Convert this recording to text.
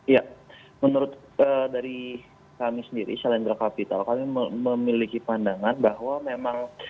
ya menurut dari kami sendiri selendra kapital kami memiliki pandangan bahwa memang